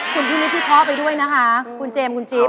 คุณพี่นิดที่พ่อไปด้วยนะคะคุณเจมส์คุณจิ๊บ